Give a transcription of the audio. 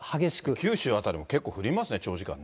九州辺りも結構降りますね、長時間ね。